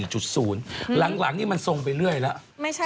หลังนี่มันทรงไปเรื่อยแล้ว